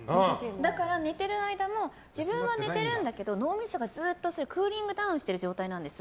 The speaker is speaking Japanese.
だから寝ている間も自分は寝てるんだけど脳みそがクーリングダウンしてる状態なんです。